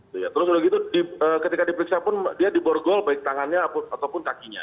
terus udah gitu ketika diperiksa pun dia di borgol baik tangannya ataupun kakinya